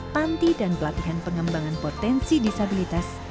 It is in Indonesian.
panti dan pelatihan pengembangan potensi disabilitas